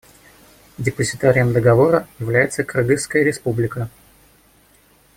Депозитарием Договора является Кыргызская Республика.